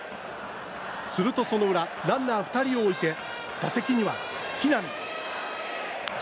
すると、その裏ランナー２人を置いて打席には木浪。